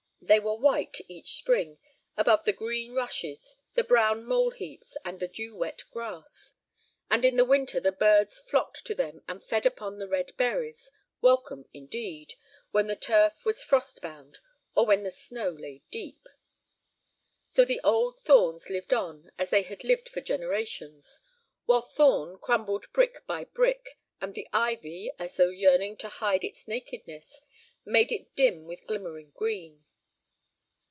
They were white each spring above the green rushes, the brown mole heaps, and the dew wet grass. And in the winter the birds flocked to them and fed upon the red berries, welcome, indeed, when the turf was frost bound or when the snow lay deep. So the old thorns lived on as they had lived for generations, while "Thorn" crumbled brick by brick, and the ivy, as though yearning to hide its nakedness, made it dim with glimmering green.